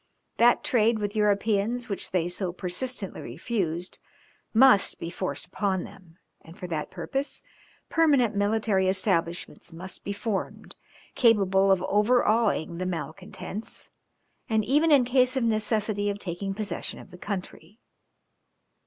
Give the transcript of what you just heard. That trade with Europeans which they so persistently refused, must be forced upon them, and for that purpose permanent military establishments must be formed, capable of overawing the malcontents, and even in case of necessity of taking possession of the country.